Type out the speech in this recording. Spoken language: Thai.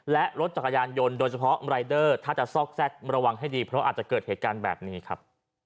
และรถจักรยานยนต์โดยเฉพาะรายเดอร์ถ้าจะซอกแทรกระวังให้ดีเพราะอาจจะเกิดเหตุการณ์แบบนี้ครับ